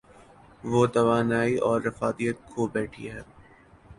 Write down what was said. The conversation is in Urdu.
وہ توانائی اورافادیت کھو بیٹھی ہے۔